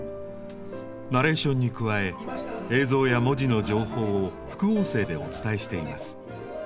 ナレーションに加え映像や文字の情報を副音声でお伝えしています。